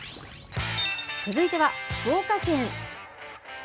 続いては、福岡県。